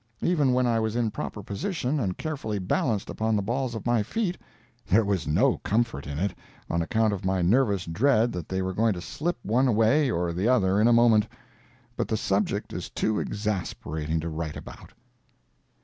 Even when I was in proper position and carefully balanced upon the balls of my feet, there was no comfort in it, on account of my nervous dread that they were going to slip one way or the other in a moment. But the subject is too exasperating to write about.